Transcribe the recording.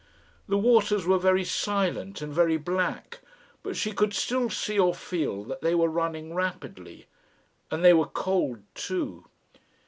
The waters were very silent and very black, but she could still see or feel that they were running rapidly. And they were cold, too.